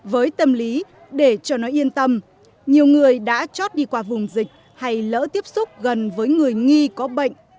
với tâm lý để cho nó yên tâm nhiều người đã chót đi qua vùng dịch hay lỡ tiếp xúc gần với người nghi có bệnh